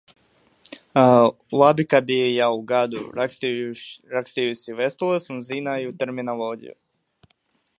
Labi, ka biju jau gadu rakstījusi vēstules un zināju terminoloģiju.